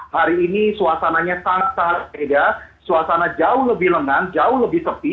hari ini suasananya sangat sangat beda suasana jauh lebih lengang jauh lebih sepi